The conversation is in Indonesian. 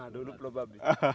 dulu pulau babi